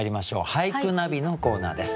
「俳句ナビ」のコーナーです。